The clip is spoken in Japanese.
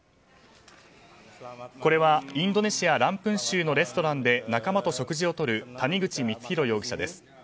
これはインドネシア・ランプン州のレストランで仲間と食事をとる谷口光弘容疑者です。